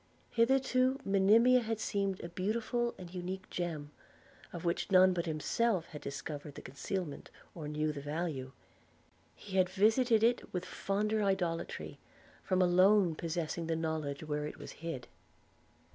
Hitherto Monimia had seemed a beautiful and unique gem, of which none but himself had discovered the concealment, or knew the value. He had visited it with fonder idolatry, from alone possessing the knowledge where it was hid.